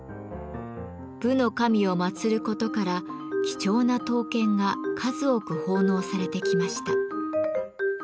武の神を祭ることから貴重な刀剣が数多く奉納されてきました。